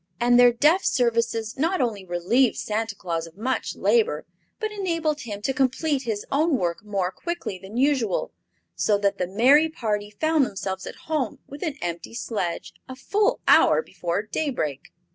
And their deft services not only relieved Santa Claus of much labor, but enabled him to complete his own work more quickly than usual, so that the merry party found themselves at home with an empty sledge a full hour before daybreak.